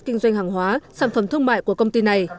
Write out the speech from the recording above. kinh doanh hàng hóa sản phẩm thương mại của công ty này